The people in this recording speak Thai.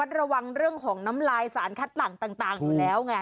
ระวังเรื่องของน้ำลายสารคัดหลังต่างอยู่แล้วไง